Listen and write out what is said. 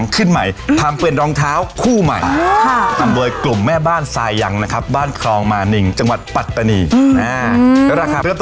แล้วมันก็ไม่ใช่ขยะ